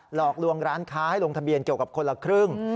หลอกลวงร้านค้าให้ลงทะเบียนเกี่ยวกับคนละครึ่ง